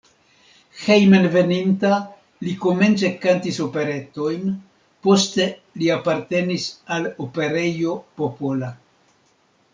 Hejmenveninta li komence kantis operetojn, poste li apartenis al Operejo Popola.